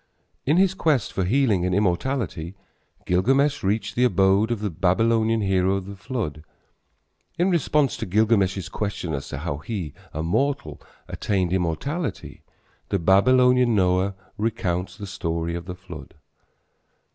In his quest for healing and immortality Gilgamesh reached the abode of the Babylonian hero of the flood. In response to Gilgamesh's question as to how he, a mortal, attained immortality the Babylonian Noah recounts the story of the flood.